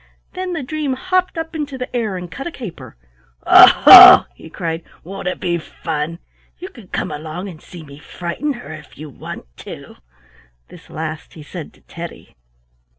Then the dream hopped up into the air and cut a caper. "Ho, ho!" he cried, "won't it be fun? You can come along and see me frighten her, if you want to." This last he said to Teddy.